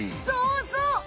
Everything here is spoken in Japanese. そうそう！